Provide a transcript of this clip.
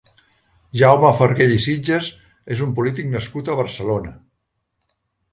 Jaume Farguell i Sitges és un polític nascut a Barcelona.